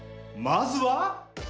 まずは。